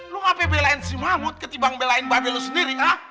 lu ngapain belain si mahmud ketimbang belain babe lu sendiri ah